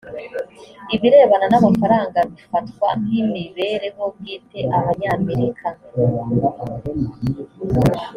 ibirebana n amafaranga bifatwa nk imibereho bwite abanyamerika